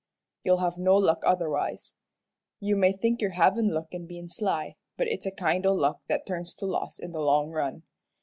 You'll have no luck otherwise. You may think you're havin' luck in bein' sly, but it's a kind o' luck that turns to loss in the long run.